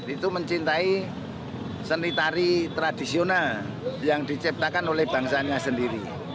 itu mencintai seni tari tradisional yang diciptakan oleh bangsanya sendiri